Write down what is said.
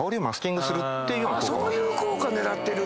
そういう効果狙ってるんだ。